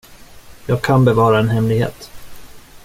Jag kan bevara en hemlighet.